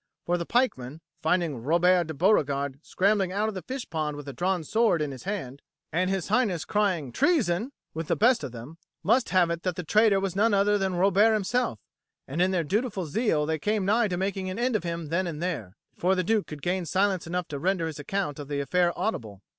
For the pikemen, finding Robert de Beauregard scrambling out of the fish pond with a drawn sword in his hand, and His Highness crying "Treason!" with the best of them, must have it that the traitor was none other than Robert himself, and in their dutiful zeal they came nigh to making an end of him then and there, before the Duke could gain silence enough to render his account of the affair audible.